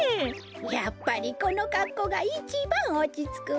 やっぱりこのかっこうがいちばんおちつくわ。